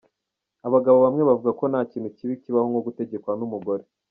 Abagabo bamwe bavuga ko nta kintu kibi kibaho nko gutegekwa n’umugore.